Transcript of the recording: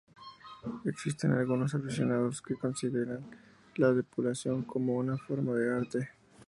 Existen algunos aficionados que consideran la depuración como una forma de arte.